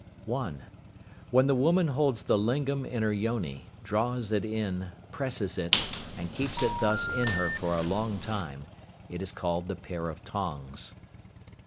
(1). When the woman holds the lingam in her yoni, draws it in, presses it, and keeps it thus in her for a long time, it is called the "pair of tongs."